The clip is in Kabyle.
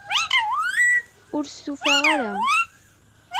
Ur stufaɣ ara.